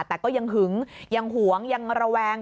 แต่ก็ยังหึงยังหวงยังระแวง